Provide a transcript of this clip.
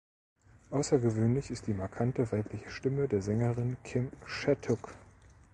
Außergewöhnlich ist die markante weibliche Stimme der Sängerin Kim Shattuck.